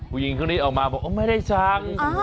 ผู้หญิงคนนี้ออกมาบอกไม่ได้สั่ง